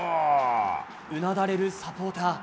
うなだれるサポーター。